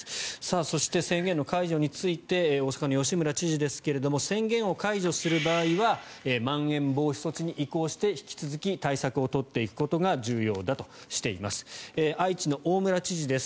そして、宣言の解除について大阪の吉村知事ですが宣言を解除する場合はまん延防止措置に移行して引き続き対策を取っていくことが重要だとしています。